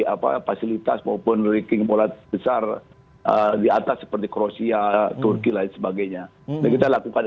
apa fasilitas maupun ranking pola besar di atas seperti kroasia turki lain sebagainya kita lakukan